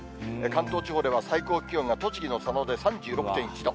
関東地方では最高気温が栃木の佐野で３６．１度。